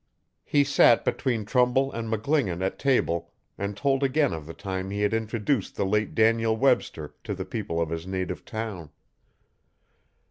He sat between Trumbull and McGlingan at table and told again of the time he had introduced the late Daniel Webster to the people of his native town.